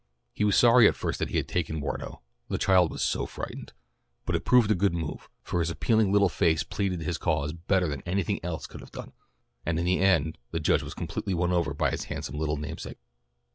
He was sorry at first that he had taken Wardo, the child was so frightened, but it proved a good move, for his appealing little face pleaded his cause better than anything else could have done, and in the end the Judge was completely won over by his handsome little namesake.